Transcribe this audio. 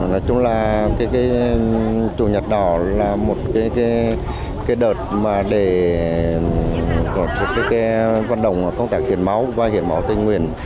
nói chung là chủ nhật đỏ là một đợt để vận động công tác hiến máu và hiến máu tình nguyện